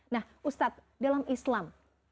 nah ustadz dalam islam